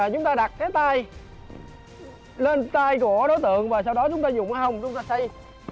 chúng ta đặt cái tay lên tay của đối tượng và sau đó chúng ta dùng cái hông chúng ta xây